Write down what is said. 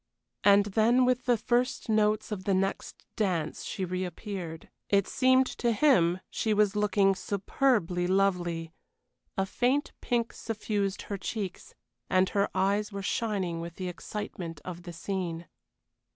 And then with the first notes of the next dance she reappeared. It seemed to him she was looking superbly lovely: a faint pink suffused her cheeks, and her eyes were shining with the excitement of the scene.